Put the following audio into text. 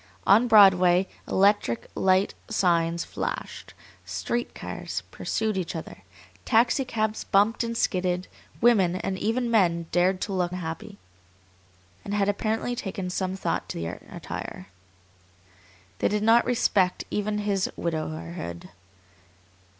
On Broadway electric light signs flashed, street cars pursued each other, taxicabs bumped and skidded, women, and even men, dared to look happy, and had apparently taken some thought to their attire. They did not respect even his widowerhood.